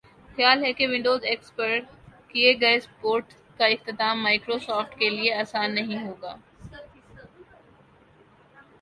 خیال ہے کہ ونڈوز ایکس پی کے لئے سپورٹ کااختتام مائیکروسافٹ کے لئے آسان نہیں ہوگا